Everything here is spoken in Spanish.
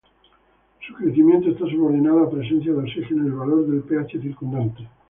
Su crecimiento está subordinado a presencia de oxígeno y al valor del pH circundante.